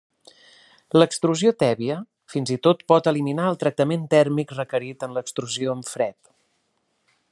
L'extrusió tèbia fins i tot pot eliminar el tractament tèrmic requerit en l'extrusió en fred.